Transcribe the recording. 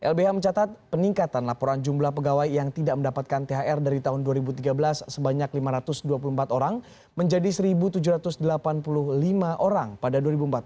lbh mencatat peningkatan laporan jumlah pegawai yang tidak mendapatkan thr dari tahun dua ribu tiga belas sebanyak lima ratus dua puluh empat orang menjadi satu tujuh ratus delapan puluh lima orang pada dua ribu empat belas